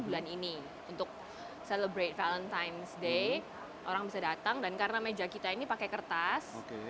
untuk menyebutkan valentine's day orang bisa datang dan karena meja kita ini pakai kertas